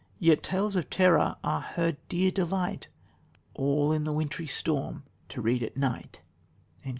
"Yet tales of terror are her dear delight, All in the wintry storm to read at night."